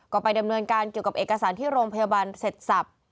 ก็ไปดำเนินการเกี่ยวกับเอกสารที่โรงพยาบาลเสร็จสับ